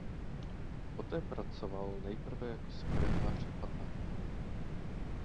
Poté pracoval nejprve jako sekretář opata.